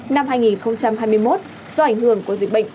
năm hai nghìn hai mươi một do ảnh hưởng của dịch bệnh